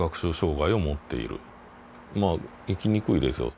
まあ生きにくいですよ。